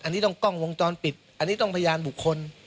อันนี้ต้องกล้องวงจรปิดอันนี้ต้องพยานบุคคล